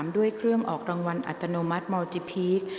ด้วยเครื่องออกรางวัลอัตโนมัติมอลจิพีค